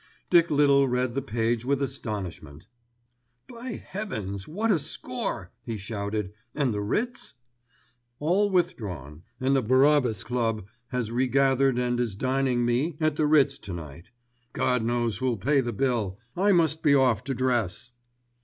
Dick Little read the page with astonishment. "By heavens! what a score," he shouted. "And the writs?" "All withdrawn, and the Barabbas Club has regathered and is dining me at the Ritz tonight. God knows who'll pay the bill. I must be off to dress."